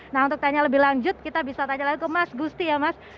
nah untuk tanya lebih lanjut kita bisa tanya lagi ke mas gusti ya mas